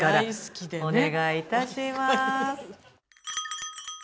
お願い致します。